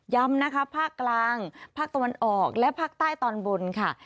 ย้ำนะคะภาคกลางภาคตะวันออกและภาคใต้ตอนบนค่ะ